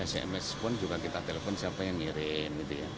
sms pun juga kita telepon siapa yang ngirim